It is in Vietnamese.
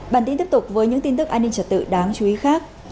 bản tin tiếp tục với những tin tức an ninh trật tự đáng chú ý khác